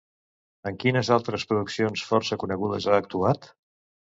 En quines altres produccions força conegudes ha actuat?